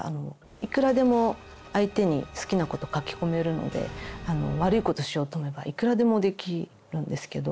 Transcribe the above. いくらでも相手に好きなこと書き込めるので悪いことしようと思えばいくらでもできるんですけど。